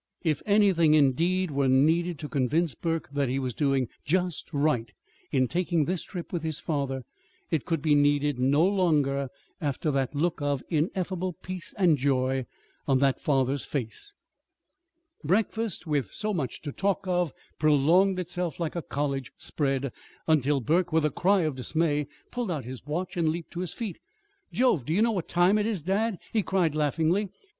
If anything, indeed, were needed to convince Burke that he was doing just right in taking this trip with his father, it could be needed no longer after the look of ineffable peace and joy on that father's face. Breakfast, with so much to talk of, prolonged itself like a college spread, until Burke, with a cry of dismay, pulled out his watch and leaped to his feet. "Jove! Do you know what time it is, dad?" he cried laughingly.